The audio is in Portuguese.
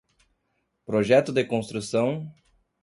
Projeto de construção